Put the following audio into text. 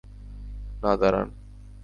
না, দাঁড়ান!